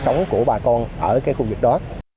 sống của bà con ở cái khu vực đó